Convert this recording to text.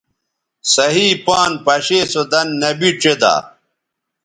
صحیح پان پشے سو دَن نبی ڇیدا